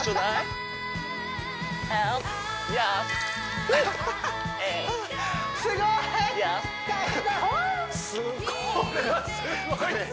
すごい！